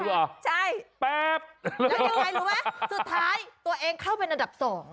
แล้วยังไงรู้ไหมสุดท้ายตัวเองเข้าเป็นอันดับ๒